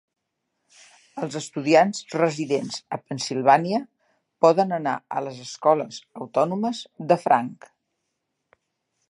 Els estudiants residents a Pennsilvània poden anar a les escoles autònomes de franc.